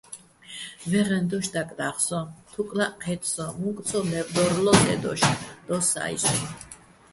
ვაჲღეჼ დოშ დაკდა́ღო სოჼ: თუკლაჸ ჴე́თ სოჼ, უ̂ნკ ცო ლე́ვდორლო́ს ე დოშ - დო́ს სა́ისუჲნი̆.